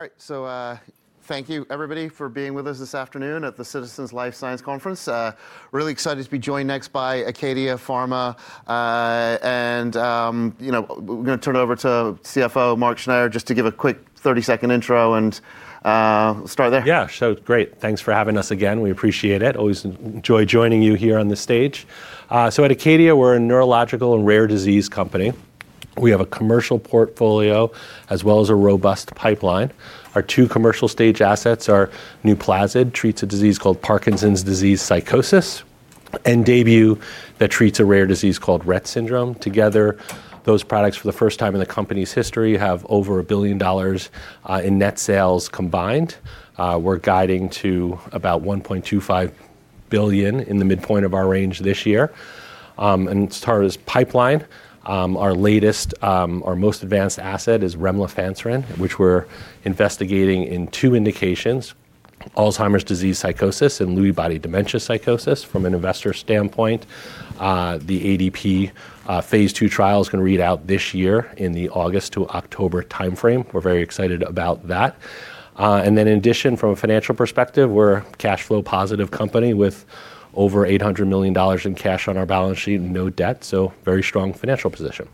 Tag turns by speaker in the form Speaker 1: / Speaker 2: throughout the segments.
Speaker 1: Right. Thank you, everybody, for being with us this afternoon at the Citizens Life Sciences Conference. Really excited to be joined next by Acadia Pharma, and, you know, we're gonna turn it over to CFO Mark Schneyer just to give a quick 30-second intro and start there.
Speaker 2: Yeah. Great. Thanks for having us again. We appreciate it. Always enjoy joining you here on the stage. At Acadia, we're a neurological and rare disease company. We have a commercial portfolio as well as a robust pipeline. Our two commercial stage assets are NUPLAZID, treats a disease called Parkinson's disease psychosis, and DAYBUE that treats a rare disease called Rett syndrome. Together, those products for the first time in the company's history have over $1 billion in net sales combined. We're guiding to about $1.25 billion in the midpoint of our range this year. As far as pipeline, our latest, or most advanced asset is remlifanserin, which we're investigating in two indications, Alzheimer's disease psychosis and Lewy body dementia psychosis. From an investor standpoint, the ADP phase II trial is gonna read out this year in the August to October timeframe. We're very excited about that. In addition, from a financial perspective, we're a cash flow positive company with over $800 million in cash on our balance sheet and no debt, so very strong financial position.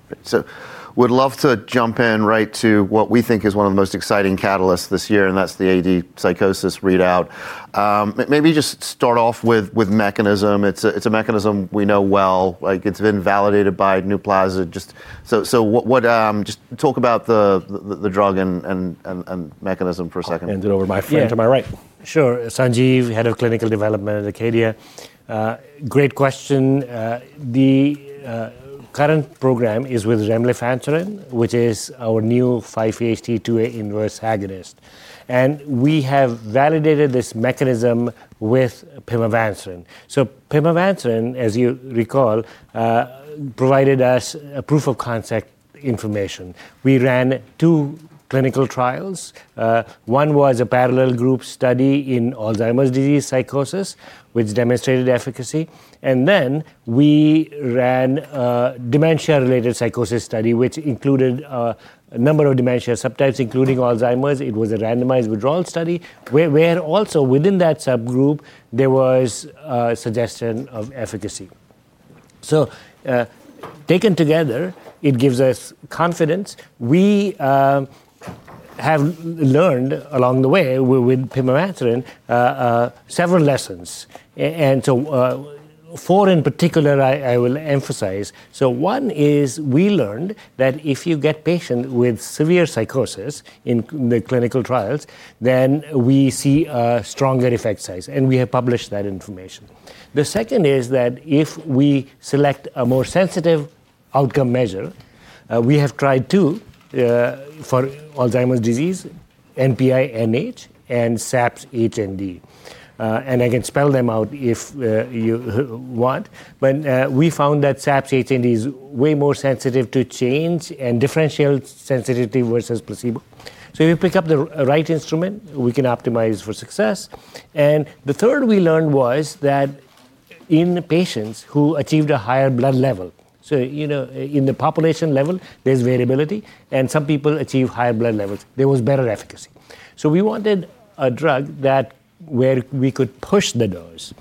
Speaker 1: Would love to jump right into what we think is one of the most exciting catalysts this year, and that's the AD psychosis readout. Maybe just start off with mechanism. It's a mechanism we know well. Like it's been validated by NUPLAZID. Just talk about the drug and mechanism for a second.
Speaker 2: I'll hand it over to my friend to my right.
Speaker 3: Yeah. Sure. Srdjan, Head of Clinical Development at Acadia. Great question. The current program is with remlifanserin, which is our new 5-HT2A inverse agonist. We have validated this mechanism with pimavanserin. Pimavanserin, as you recall, provided us a proof of concept information. We ran two clinical trials. One was a parallel group study in Alzheimer's disease psychosis, which demonstrated efficacy. We ran a dementia-related psychosis study, which included a number of dementia subtypes, including Alzheimer's. It was a randomized withdrawal study where also within that subgroup there was a suggestion of efficacy. Taken together, it gives us confidence. We have learned along the way with pimavanserin several lessons. Four in particular I will emphasize. One is we learned that if you get patients with severe psychosis in the clinical trials, then we see a stronger effect size, and we have published that information. The second is that if we select a more sensitive outcome measure, we have tried two for Alzheimer's disease, NPI-NH, and SAPS-H+D. I can spell them out if you want. We found that SAPS-H+D is way more sensitive to change and differentiate sensitivity versus placebo. If we pick up the right instrument, we can optimize for success. The third we learned was that in patients who achieved a higher blood level, you know, in the population level, there's variability, and some people achieve higher blood levels, there was better efficacy. We wanted a drug that where we could push the dose.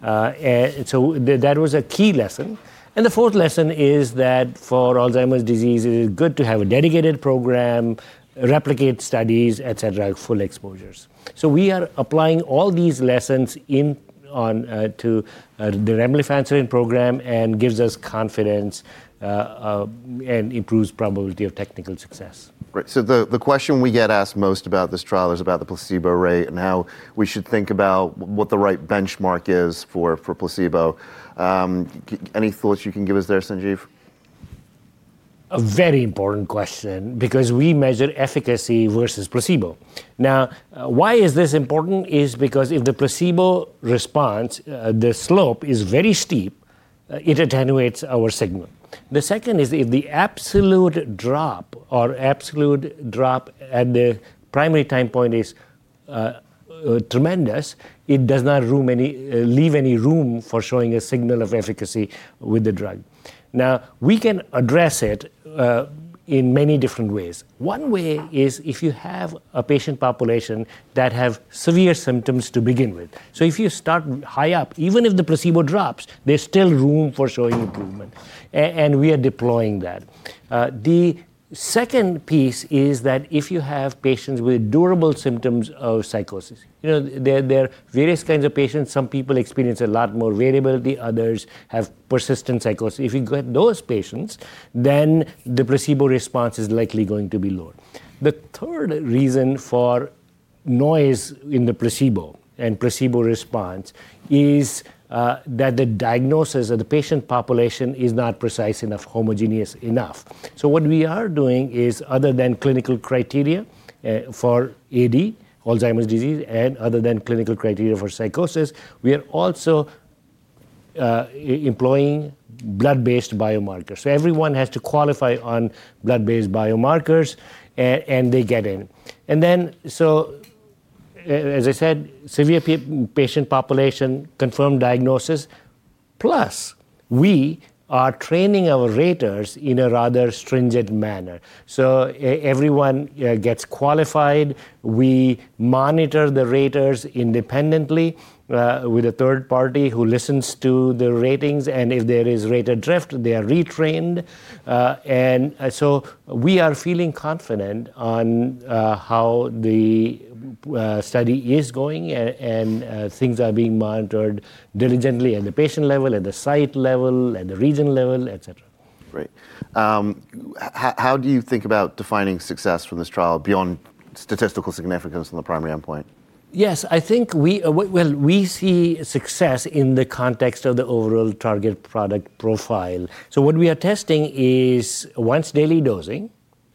Speaker 3: That was a key lesson. The fourth lesson is that for Alzheimer's disease it is good to have a dedicated program, replicate studies, et cetera, full exposures. We are applying all these lessons in the remlifanserin program, and gives us confidence and improves probability of technical success.
Speaker 1: Great. The question we get asked most about this trial is about the placebo rate and how we should think about what the right benchmark is for placebo. Any thoughts you can give us there, Srdjan?
Speaker 3: A very important question because we measure efficacy versus placebo. Now, why is this important is because if the placebo response, the slope is very steep, it attenuates our signal. The second is if the absolute drop at the primary time point is tremendous, it does not leave any room for showing a signal of efficacy with the drug. Now, we can address it in many different ways. One way is if you have a patient population that have severe symptoms to begin with. So if you start high up, even if the placebo drops, there's still room for showing improvement. And we are deploying that. The second piece is that if you have patients with durable symptoms of psychosis. You know, there are various kinds of patients. Some people experience a lot more variability, others have persistent psychosis. If you get those patients, then the placebo response is likely going to be lower. The third reason for noise in the placebo and placebo response is that the diagnosis of the patient population is not precise enough, homogeneous enough. What we are doing is, other than clinical criteria for AD, Alzheimer's disease, and other than clinical criteria for psychosis, we are also employing blood-based biomarkers. Everyone has to qualify on blood-based biomarkers and they get in. As I said, severe patient population, confirmed diagnosis. Plus, we are training our raters in a rather stringent manner. Everyone gets qualified. We monitor the raters independently with a third party who listens to the ratings, and if there is rater drift, they are retrained. We are feeling confident on how the study is going and things are being monitored diligently at the patient level, at the site level, at the region level, et cetera.
Speaker 1: Great. How do you think about defining success from this trial beyond statistical significance from the primary endpoint?
Speaker 3: Yes. I think we see success in the context of the overall target product profile. What we are testing is once-daily dosing,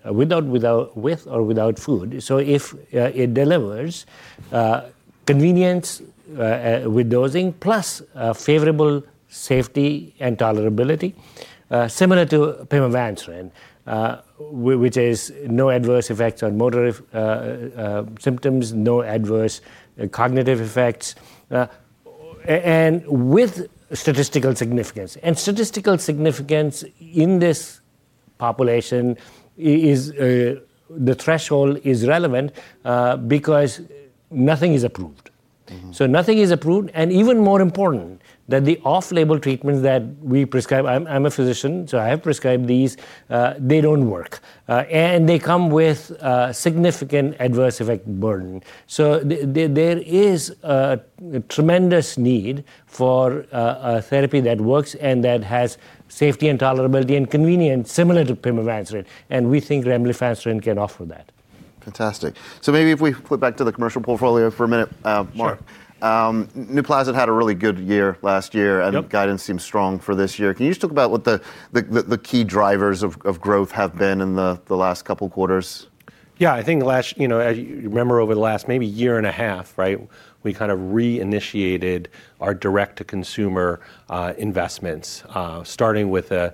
Speaker 3: with or without food. If it delivers convenience with dosing, plus favorable safety and tolerability similar to pimavanserin, which is no adverse effects on motor symptoms, no adverse cognitive effects, with statistical significance in this population, the threshold is relevant, because nothing is approved.
Speaker 1: Mm-hmm.
Speaker 3: Nothing is approved, and even more important, that the off-label treatments that we prescribe, I'm a physician, so I have prescribed these, they don't work. They come with significant adverse effect burden. There is a tremendous need for a therapy that works and that has safety and tolerability and convenience similar to pimavanserin, and we think remlifanserin can offer that.
Speaker 1: Fantastic. Maybe if we flip back to the commercial portfolio for a minute.
Speaker 2: Sure ...
Speaker 1: Mark. NUPLAZID had a really good year last year.
Speaker 2: Yep
Speaker 1: Guidance seems strong for this year. Can you just talk about what the key drivers of growth have been in the last couple quarters?
Speaker 2: Yeah. I think last, you know, as you remember over the last maybe year and a half, right, we kind of reinitiated our direct-to-consumer investments, starting with an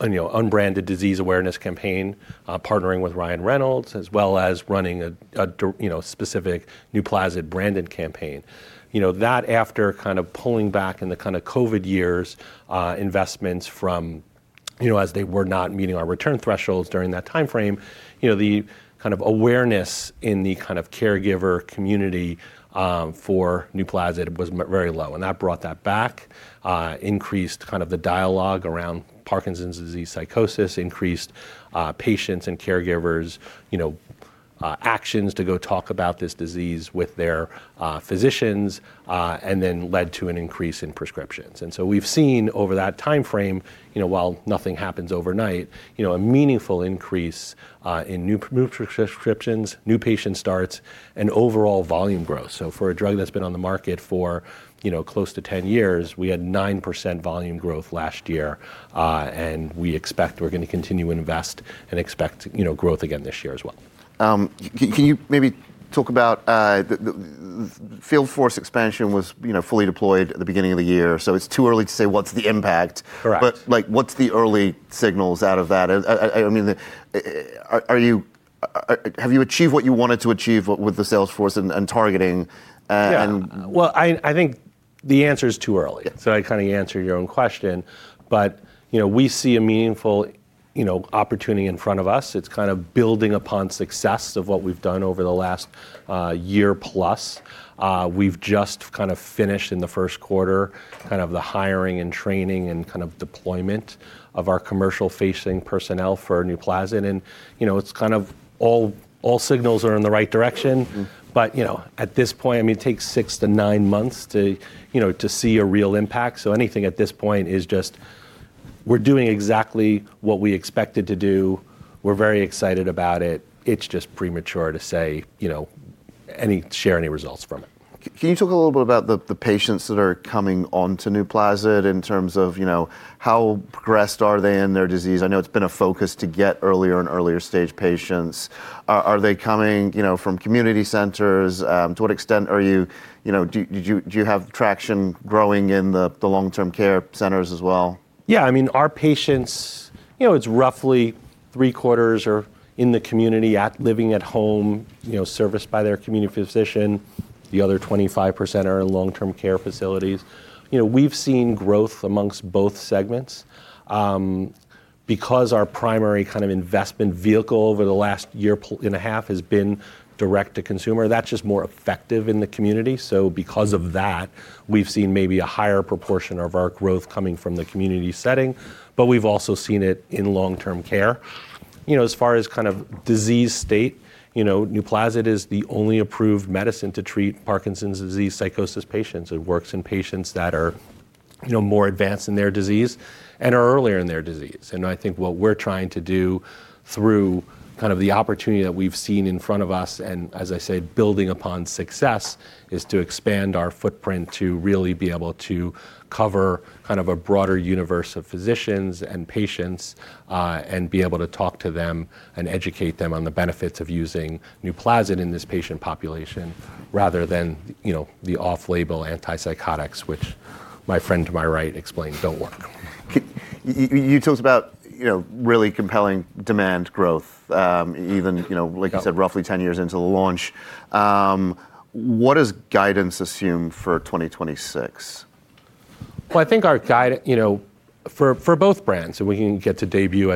Speaker 2: unbranded disease awareness campaign, partnering with Ryan Reynolds, as well as running a DTC you know, specific NUPLAZID-branded campaign. You know, that after kind of pulling back in the kind of COVID years, investments from, you know, as they were not meeting our return thresholds during that timeframe, you know, the kind of awareness in the kind of caregiver community for NUPLAZID was very low, and that brought that back, increased kind of the dialogue around Parkinson's disease psychosis, increased patients' and caregivers' you know actions to go talk about this disease with their physicians, and then led to an increase in prescriptions. We've seen over that timeframe, you know, while nothing happens overnight, you know, a meaningful increase in new prescriptions, new patient starts, and overall volume growth. For a drug that's been on the market for, you know, close to 10 years, we had 9% volume growth last year. We expect we're gonna continue to invest and expect, you know, growth again this year as well.
Speaker 1: Can you maybe talk about the field force expansion was, you know, fully deployed at the beginning of the year, so it's too early to say what's the impact.
Speaker 2: Correct.
Speaker 1: Like, what's the early signals out of that? I mean, have you achieved what you wanted to achieve with the sales force and targeting, and
Speaker 2: Yeah. Well, I think the answer is too early.
Speaker 1: Yeah.
Speaker 2: I kind of answered your own question. You know, we see a meaningful, you know, opportunity in front of us. It's kind of building upon success of what we've done over the last year plus. We've just kind of finished in the first quarter, kind of the hiring and training and kind of deployment of our commercial-facing personnel for NUPLAZID and, you know, it's kind of all signals are in the right direction.
Speaker 1: Mm.
Speaker 2: You know, at this point, I mean, it takes six to nine months to, you know, to see a real impact, so anything at this point is just we're doing exactly what we expected to do. We're very excited about it. It's just premature to share any results from it.
Speaker 1: Can you talk a little bit about the patients that are coming onto NUPLAZID in terms of, you know, how progressed are they in their disease? I know it's been a focus to get earlier and earlier stage patients. Are they coming, you know, from community centers? To what extent are you know, do you have traction growing in the long-term care centers as well?
Speaker 2: Yeah. I mean, our patients, you know, it's roughly three-quarters are in the community, living at home, you know, serviced by their community physician. The other 25% are in long-term care facilities. You know, we've seen growth among both segments, because our primary kind of investment vehicle over the last year and a half has been direct-to-consumer. That's just more effective in the community, so because of that, we've seen maybe a higher proportion of our growth coming from the community setting, but we've also seen it in long-term care. You know, as far as kind of disease state, you know, NUPLAZID is the only approved medicine to treat Parkinson's disease psychosis patients. It works in patients that are, you know, more advanced in their disease and are earlier in their disease. I think what we're trying to do through kind of the opportunity that we've seen in front of us, and as I say, building upon success, is to expand our footprint to really be able to cover kind of a broader universe of physicians and patients, and be able to talk to them and educate them on the benefits of using NUPLAZID in this patient population rather than, you know, the off-label antipsychotics, which my friend to my right explained don't work.
Speaker 1: You told us about, you know, really compelling demand growth, even, you know.
Speaker 2: Yep
Speaker 1: Like you said, roughly 10 years into the launch. What does guidance assume for 2026?
Speaker 2: Well, I think our guide, you know, for both brands, and we can get to DAYBUE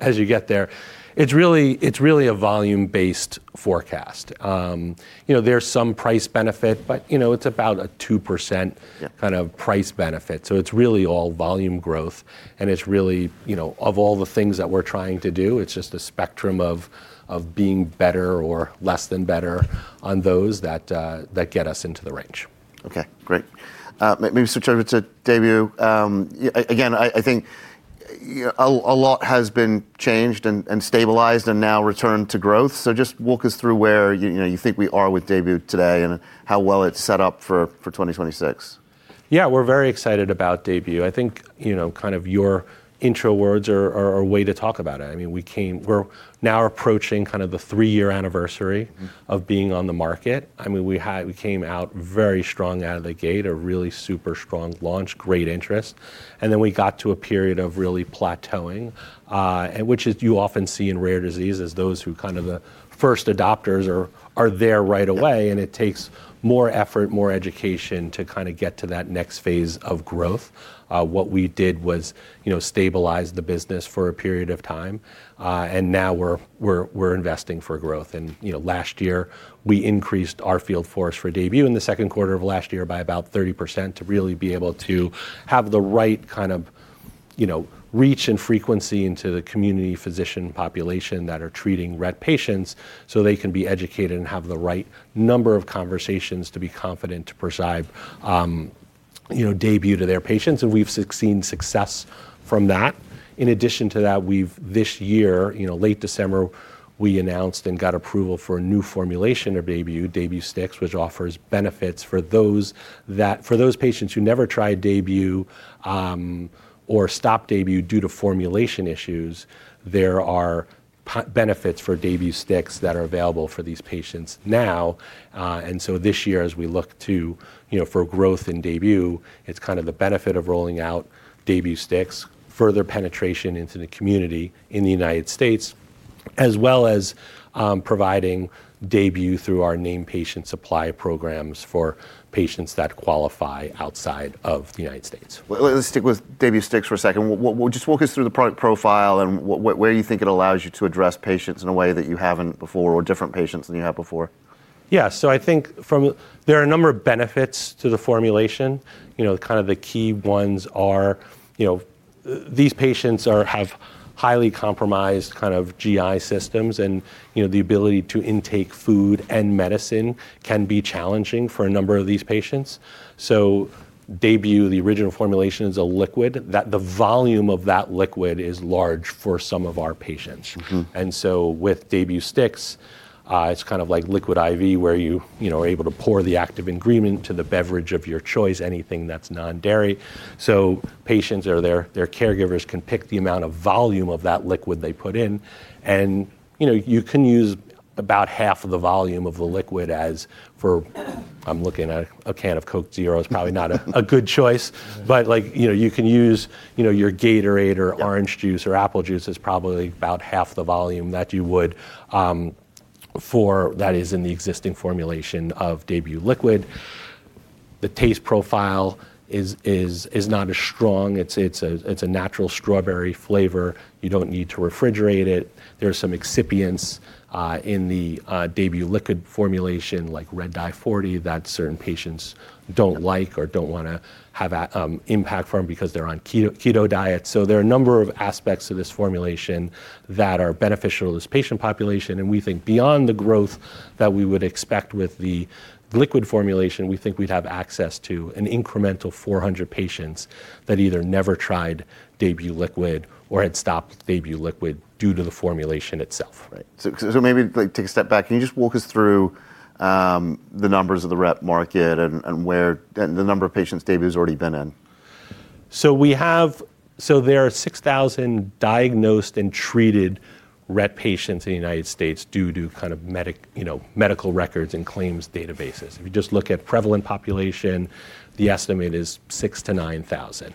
Speaker 2: as you get there, it's really a volume-based forecast. You know, there's some price benefit, but, you know, it's about a 2%-
Speaker 1: Yeah
Speaker 2: kind of price benefit. It's really all volume growth, and it's really, you know, of all the things that we're trying to do, it's just a spectrum of being better or less than better on those that get us into the range.
Speaker 1: Okay. Great. Maybe switch over to DAYBUE. Again, I think a lot has been changed and stabilized and now returned to growth. Just walk us through where you know, you think we are with DAYBUE today and how well it's set up for 2026.
Speaker 2: Yeah. We're very excited about DAYBUE. I think, you know, kind of your intro words are a way to talk about it. I mean, we're now approaching kind of the three-year anniversary.
Speaker 1: Mm-hmm
Speaker 2: Of being on the market. I mean, we came out very strong out of the gate, a really super strong launch, great interest. We got to a period of really plateauing, which is, you often see in rare disease as the early adopters are there right away, and it takes more effort, more education to kinda get to that next phase of growth. What we did was, you know, stabilize the business for a period of time, and now we're investing for growth. You know, last year, we increased our field force for DAYBUE in the second quarter of last year by about 30% to really be able to have the right kind of, you know, reach and frequency into the community physician population that are treating Rett patients so they can be educated and have the right number of conversations to be confident to prescribe, you know, DAYBUE to their patients. We've seen success from that. In addition to that, we've this year, you know, late December, we announced and got approval for a new formulation of DAYBUE STIX, which offers benefits for those that for those patients who never tried DAYBUE or stopped DAYBUE due to formulation issues, there are benefits for DAYBUE STIX that are available for these patients now. This year, as we look to, you know, for growth in DAYBUE, it's kind of the benefit of rolling out DAYBUE STIX, further penetration into the community in the United States, as well as providing DAYBUE through our named patient supply programs for patients that qualify outside of the United States.
Speaker 1: Well, let's stick with DAYBUE STIX for a second. Well, just walk us through the product profile and where do you think it allows you to address patients in a way that you haven't before or different patients than you have before?
Speaker 2: Yeah. I think there are a number of benefits to the formulation. You know, kind of the key ones are, you know, these patients have highly compromised kind of GI systems and, you know, the ability to intake food and medicine can be challenging for a number of these patients. DAYBUE, the original formulation, is a liquid that the volume of that liquid is large for some of our patients.
Speaker 1: Mm-hmm.
Speaker 2: With DAYBUE STIX, it's kind of like Liquid I.V. where you know, are able to pour the active ingredient into the beverage of your choice, anything that's non-dairy. Patients or their caregivers can pick the amount of volume of that liquid they put in. You know, you can use about half of the volume of the liquid. I'm looking at a can of Coke Zero. It's probably not a good choice. But like, you know, you can use, you know, your Gatorade or
Speaker 1: Yeah
Speaker 2: Orange juice or apple juice is probably about half the volume that is in the existing formulation of DAYBUE Liquid. The taste profile is not as strong. It's a natural strawberry flavor. You don't need to refrigerate it. There are some excipients in the DAYBUE Liquid formulation, like Red Dye 40 that certain patients don't like or don't wanna have an impact from because they're on keto diet. There are a number of aspects to this formulation that are beneficial to this patient population, and we think beyond the growth that we would expect with the liquid formulation, we think we'd have access to an incremental 400 patients that either never tried DAYBUE Liquid or had stopped DAYBUE Liquid due to the formulation itself.
Speaker 1: Right. So maybe, like, take a step back. Can you just walk us through the numbers of the Rett market and where the number of patients DAYBUE has already been in?
Speaker 2: There are 6,000 diagnosed and treated Rett patients in the United States due to kind of you know, medical records and claims databases. If you just look at prevalent population, the estimate is 6,000-9,000.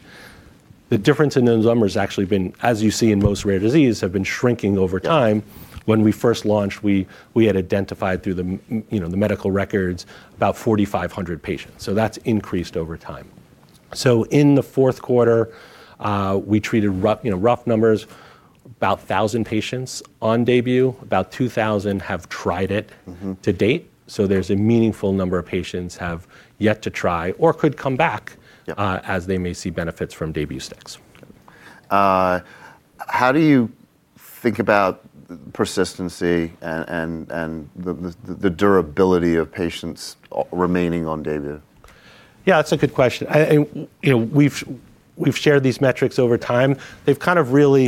Speaker 2: The difference in those numbers has actually been, as you see in most rare disease, have been shrinking over time. When we first launched, we had identified through the you know, medical records about 4,500 patients. That's increased over time. In the fourth quarter, we treated you know, rough numbers, about 1,000 patients on DAYBUE. About 2,000 have tried it.
Speaker 1: Mm-hmm...
Speaker 2: to date. There's a meaningful number of patients have yet to try or could come back.
Speaker 1: Yeah
Speaker 2: As they may see benefits from DAYBUE STIX.
Speaker 1: How do you think about persistency and the durability of patients remaining on DAYBUE?
Speaker 2: Yeah, that's a good question. You know, we've shared these metrics over time. They've kind of really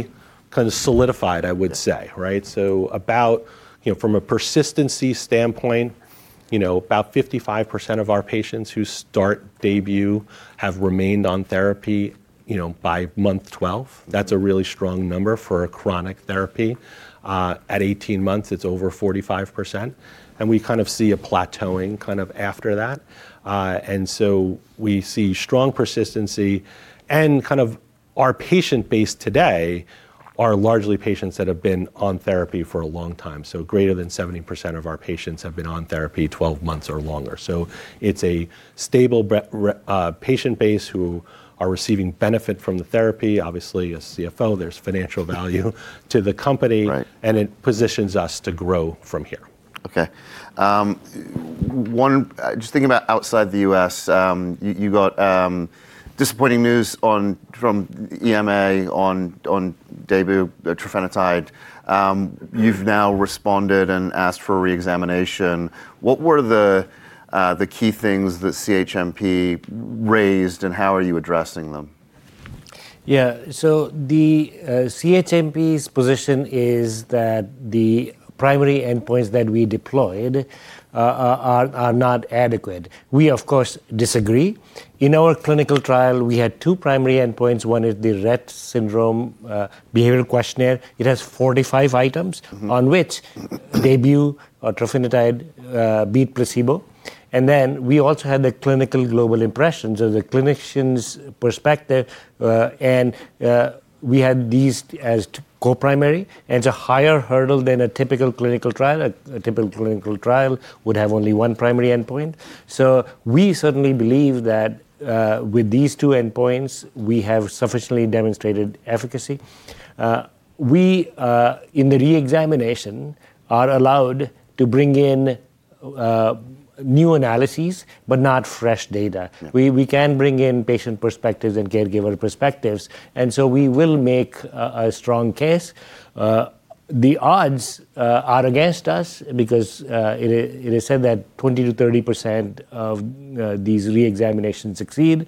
Speaker 2: kind of solidified, I would say, right? From a persistency standpoint, you know, about 55% of our patients who start DAYBUE have remained on therapy, you know, by month 12. That's a really strong number for a chronic therapy. At 18 months, it's over 45%. We kind of see a plateauing kind of after that. We see strong persistency and kind of our patient base today are largely patients that have been on therapy for a long time. Greater than 70% of our patients have been on therapy 12 months or longer. It's a stable patient base who are receiving benefit from the therapy. Obviously, as CFO, there's financial value.
Speaker 1: Right.
Speaker 2: to the company, and it positions us to grow from here.
Speaker 1: Okay. Just thinking about outside the U.S., you got disappointing news from EMA on DAYBUE, trofinetide. You've now responded and asked for re-examination. What were the key things that CHMP raised, and how are you addressing them?
Speaker 3: Yeah. The CHMP's position is that the primary endpoints that we deployed are not adequate. We, of course, disagree. In our clinical trial, we had two primary endpoints. One is the Rett syndrome behavioral questionnaire. It has 45 items.
Speaker 1: Mm-hmm
Speaker 3: on which DAYBUE, trofinetide, beat placebo. Then we also had the Clinical Global Impressions of the clinician's perspective, and we had these as co-primary, and it's a higher hurdle than a typical clinical trial. A typical clinical trial would have only one primary endpoint. We certainly believe that, with these two endpoints, we have sufficiently demonstrated efficacy. We, in the re-examination, are allowed to bring in, new analyses, but not fresh data.
Speaker 1: Yeah.
Speaker 3: We can bring in patient perspectives and caregiver perspectives, and so we will make a strong case. The odds are against us because it is said that 20%-30% of these re-examinations succeed.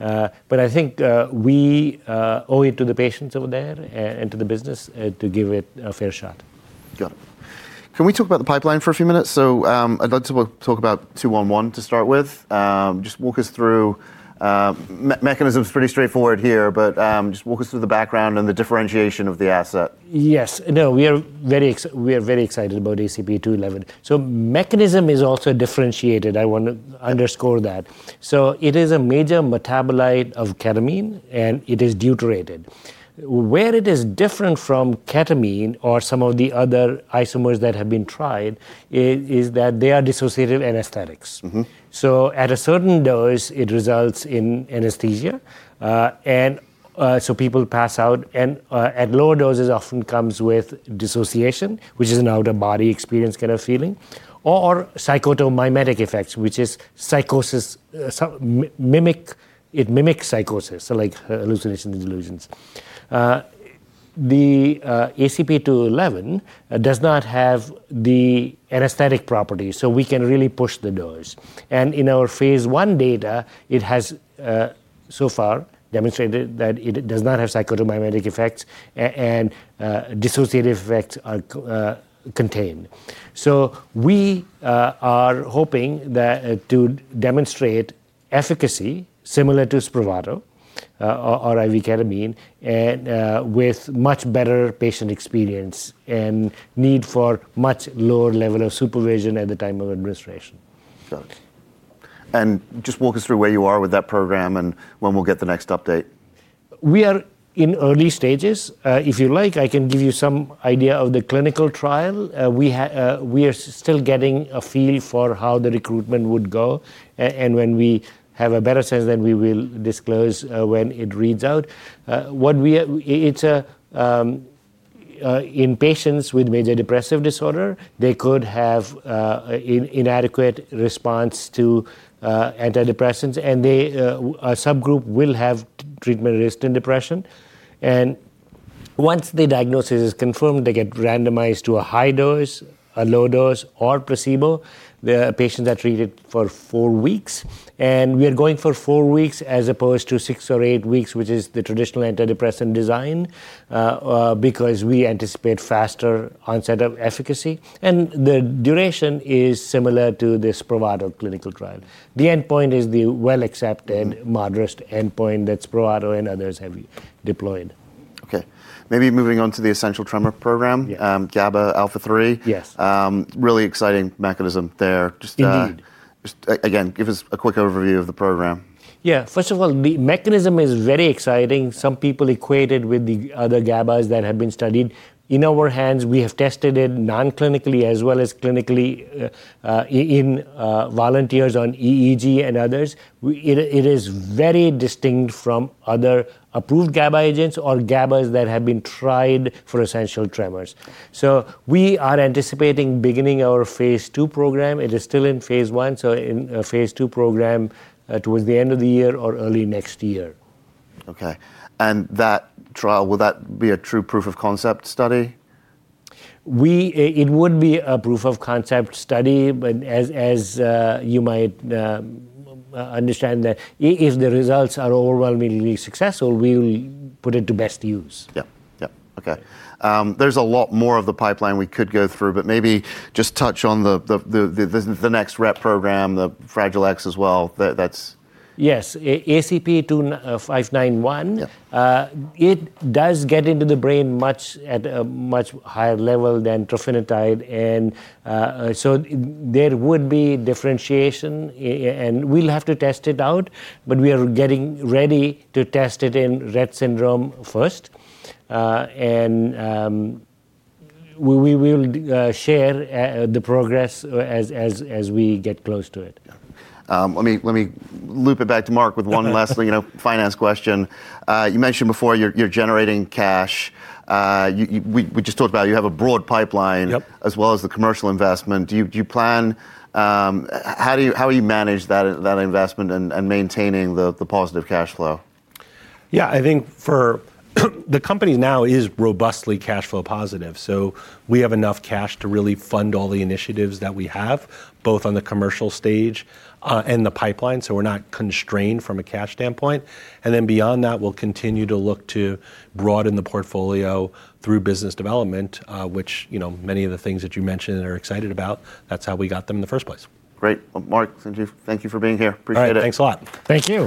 Speaker 3: I think we owe it to the patients over there and to the business to give it a fair shot.
Speaker 1: Got it. Can we talk about the pipeline for a few minutes? I'd like to talk about 211 to start with. Mechanism's pretty straightforward here, but just walk us through the background and the differentiation of the asset.
Speaker 3: Yes. No, we are very excited about ACP-211. Mechanism is also differentiated. I want to underscore that. It is a major metabolite of ketamine, and it is deuterated. Where it is different from ketamine or some of the other isomers that have been tried is that they are dissociative anesthetics.
Speaker 1: Mm-hmm.
Speaker 3: At a certain dose, it results in anesthesia, and so people pass out, and at lower doses often comes with dissociation, which is an out-of-body experience kind of feeling or psychotomimetic effects, which is psychosis, it mimics psychosis, so like hallucinations and delusions. The ACP-211 does not have the anesthetic properties, so we can really push the dose. In our phase I data, it has so far demonstrated that it does not have psychotomimetic effects and dissociative effects are contained. We are hoping that to demonstrate efficacy similar to Spravato or IV ketamine and with much better patient experience and need for much lower level of supervision at the time of administration.
Speaker 1: Got it. Just walk us through where you are with that program and when we'll get the next update.
Speaker 3: We are in early stages. If you like, I can give you some idea of the clinical trial. We are still getting a feel for how the recruitment would go. When we have a better sense, then we will disclose when it reads out. In patients with major depressive disorder, they could have inadequate response to antidepressants, and they, a subgroup will have treatment-resistant depression. Once the diagnosis is confirmed, they get randomized to a high dose, a low dose, or placebo. The patients are treated for four weeks, and we are going for four weeks as opposed to six or eight weeks, which is the traditional antidepressant design, because we anticipate faster onset of efficacy. The duration is similar to the Spravato clinical trial. The endpoint is the well-accepted.
Speaker 1: Mm-hmm
Speaker 3: MADRS endpoint that Spravato and others have deployed.
Speaker 1: Okay. Maybe moving on to the essential tremor program.
Speaker 3: Yeah.
Speaker 1: GABA alpha-3.
Speaker 3: Yes.
Speaker 1: Really exciting mechanism there. Just,
Speaker 3: Indeed
Speaker 1: Just again, give us a quick overview of the program.
Speaker 3: Yeah. First of all, the mechanism is very exciting. Some people equate it with the other GABAs that have been studied. In our hands, we have tested it non-clinically as well as clinically, in volunteers on EEG and others. It is very distinct from other approved GABA agents or GABAs that have been tried for essential tremor. We are anticipating beginning our phase II program. It is still in phase I, so in a phase II program, towards the end of the year or early next year.
Speaker 1: Okay. That trial, will that be a true proof of concept study?
Speaker 3: It would be a proof of concept study, but as you might understand that if the results are overwhelmingly successful, we'll put it to best use.
Speaker 1: Yep. Yep. Okay. There's a lot more of the pipeline we could go through, but maybe just touch on the next Rett program, the Fragile X as well. That's.
Speaker 3: Yes. ACP-2591.
Speaker 1: Yeah.
Speaker 3: It does get into the brain much at a much higher level than trofinetide, and so there would be differentiation and we'll have to test it out, but we are getting ready to test it in Rett syndrome first. We will share the progress as we get close to it.
Speaker 1: Yeah. Let me loop it back to Mark with one last, you know, finance question. You mentioned before you're generating cash. We just talked about you have a broad pipeline.
Speaker 2: Yep
Speaker 1: ...as well as the commercial investment. How will you manage that investment and maintaining the positive cash flow?
Speaker 2: Yeah. I think the company now is robustly cash flow positive, so we have enough cash to really fund all the initiatives that we have, both on the commercial stage and the pipeline, so we're not constrained from a cash standpoint. Then beyond that, we'll continue to look to broaden the portfolio through business development, which, you know, many of the things that you mentioned and are excited about, that's how we got them in the first place.
Speaker 1: Great. Well, Mark, Srdjan, thank you for being here. Appreciate it.
Speaker 2: All right. Thanks a lot.
Speaker 3: Thank you.